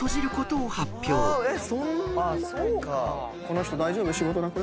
この人大丈夫？